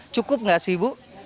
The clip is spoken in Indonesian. cukup nggak sih bu